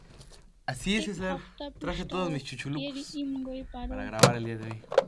Ek hafta pis'taw o geri em goi paraw